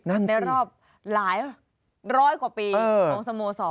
นั่นสิในรอบร้อยกว่าปีของสโมสร